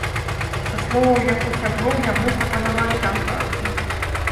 Са словаў яго сяброў, яму прапанавалі там працу.